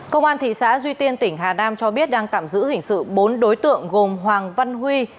công an thị xã duy tiên tỉnh hà nam cho biết đang tạm giữ hình sự bốn đối tượng gồm hoàng văn huy